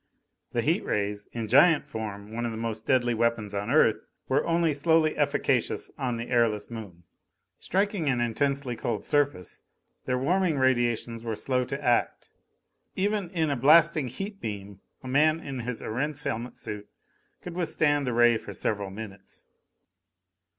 The heat rays in giant form one of the most deadly weapons on Earth were only slowly efficacious on the airless Moon. Striking an intensely cold surface, their warming radiations were slow to act. Even in a blasting heat beam a man in his Erentz helmet suit could withstand the ray for several minutes.